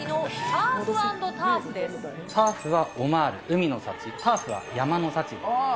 サーフはオマール、海の幸、ターフは山の幸です。